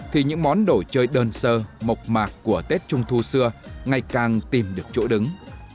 thì những món đồ chơi đơn sơ mộc mạc của tết trung thu xưa ngày càng tìm được chỗ đứng